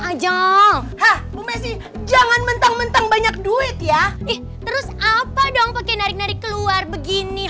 aja jangan mentang mentang banyak duit ya ih terus apa dong pakai narik narik keluar begini